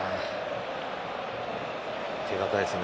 手堅いですね。